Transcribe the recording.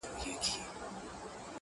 د سکريټو آخيري قطۍ ده پاته’